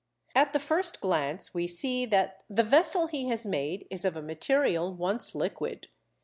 At the first glance we see that the vessel he has made is of a material once liquid.